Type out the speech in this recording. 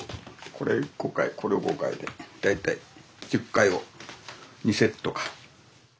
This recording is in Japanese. これ５回これを５回で大体１０回を２セットか。